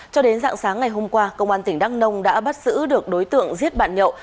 cho đến dạng sáng ngày hôm qua công an tỉnh đắk nông đã bắt giữ được đối tượng giết bạn nhậu